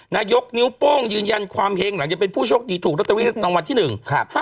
นายกนิ้วโป้งยืนยันความแห่งหลังจะเป็นผู้โชคดีถูกตราดเทวีรางวัลที่หนึ่ง๕๕๖๗๒๕